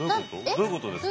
どういうことですか？